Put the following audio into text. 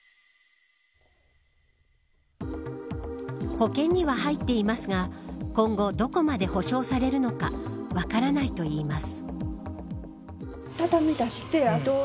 保険には入っていますが今後、どこまで補償されるのか分からないといいます。